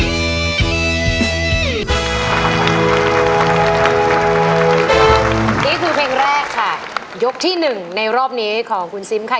นี่คือเพลงแรกค่ะยกที่หนึ่งในรอบนี้ของคุณซิมค่ะ